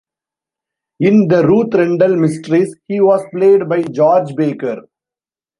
In "The Ruth Rendell Mysteries" he was played by George Baker.